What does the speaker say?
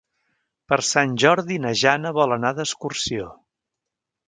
Per Sant Jordi na Jana vol anar d'excursió.